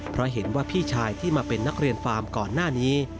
เพราะเห็นว่าพี่ชายที่มาเป็นนักเรียนฟาร์มก่อนหน้านี้